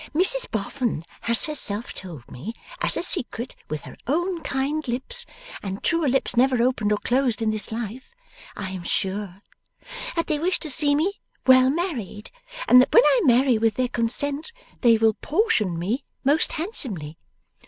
Mrs Boffin has herself told me, as a secret, with her own kind lips and truer lips never opened or closed in this life, I am sure that they wish to see me well married; and that when I marry with their consent they will portion me most handsomely.